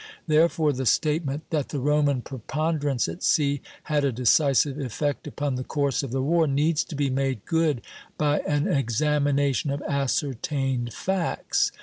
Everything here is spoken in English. Therefore the statement, that the Roman preponderance at sea had a decisive effect upon the course of the war, needs to be made good by an examination of ascertained facts.